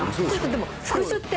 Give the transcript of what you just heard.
でも。